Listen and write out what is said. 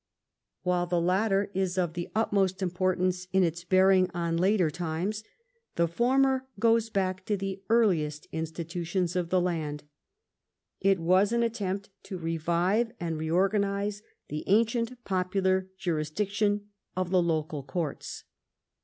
While the latter is of the utmost importance in its bearing on later times, the former goes back to the earliest institutions of the land. It was an attempt to revive and reorganise the ancient popular jurisdiction of the local courts.